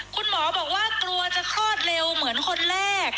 คุณหมอบอกว่ากลัวจะคลอดเร็วเหมือนคนแรก